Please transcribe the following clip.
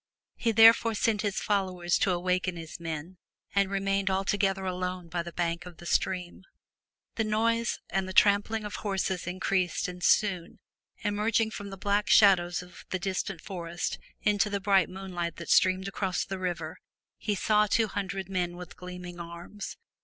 He therefore sent his followers to awaken his men and remained altogether alone by the bank of the stream. The noise and the 285 MY BOOK HOUSE trampling of horses increased and soon, emerging from the black shadows of the distant forest into the bright moonlight that streamed across the river, he saw two hundred men with gleaming arms.